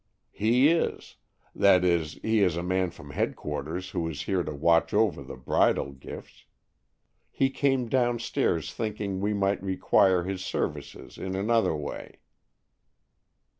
"He is; that is, he is a man from headquarters who is here to watch over the bridal gifts. He came down stairs thinking we might require his services in another way."